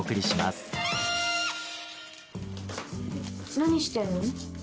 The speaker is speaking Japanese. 何してるの？